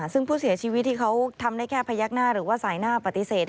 ซึ่งผู้เสียชีวิตที่เขาทำได้แค่พยักหน้าหรือว่าสายหน้าปฏิเสธ